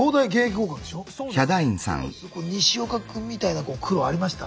西岡君みたいな苦労ありました？